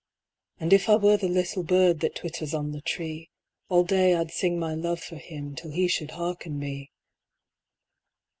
And if I were the little bird That twitters on the tree, All day I'd sing my love for him Till he should harken me.